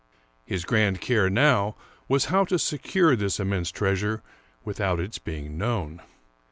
His grand care now was how to secure this immense treas ure without its being known.